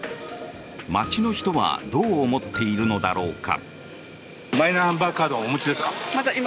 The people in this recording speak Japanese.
街の人はどう思っているのだろうか。